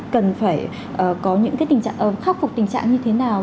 cần phải có những tình trạng khắc phục tình trạng như thế nào